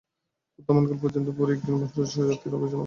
বর্তমানকাল পর্যন্ত পরিজ্ঞাত মনুষ্যজাতির ইতিহাস আলোচনা কর।